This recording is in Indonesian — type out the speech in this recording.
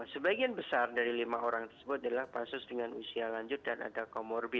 sebagian besar dari lima orang tersebut adalah kasus dengan usia lanjut dan ada comorbid